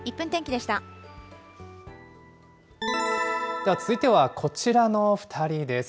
では続いてはこちらの２人です。